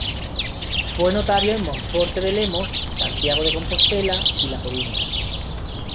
Fue notario en Monforte de Lemos, Santiago de Compostela y La Coruña.